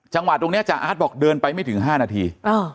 จังหวัดตรงเนี้ยจ่ะอาร์ตบอกเดินไปไม่ถึง๕นาที